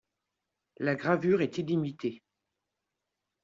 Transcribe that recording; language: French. La gravure est illimitée.